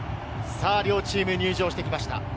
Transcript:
両チームが入場してきました。